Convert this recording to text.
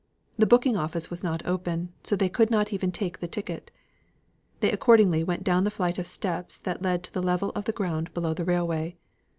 The booking office was not open, so they could not even take the ticket. They accordingly went down the flight of steps that led to the level of the ground below the railway.